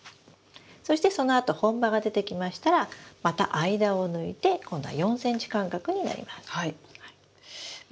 そしてそのあと本葉が出てきましたらまた間を抜いて今度は４ｃｍ間隔になります。